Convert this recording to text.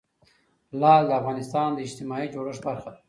لعل د افغانستان د اجتماعي جوړښت برخه ده.